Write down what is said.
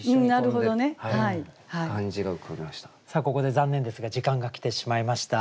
ここで残念ですが時間が来てしまいました。